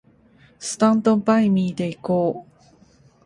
スタンドバイミーで行こう